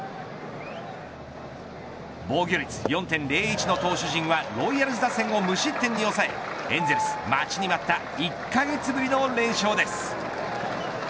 防御率４．０１の投手陣はロイヤルズ打線を無失点に抑えエンゼルス、待ちに待った１カ月ぶりの連勝です。